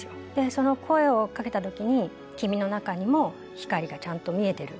その声をかけた時に君の中にも光がちゃんと見えてる。